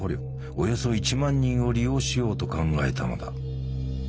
およそ１万人を利用しようと考えたのだ。